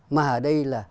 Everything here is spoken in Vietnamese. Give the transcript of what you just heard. mà ở đây là